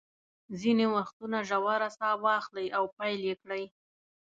ځینې وختونه ژوره ساه واخلئ او پیل یې کړئ.